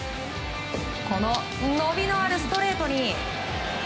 この伸びのあるストレートに。